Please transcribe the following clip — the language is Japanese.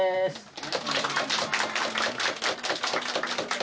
よろしくお願いします。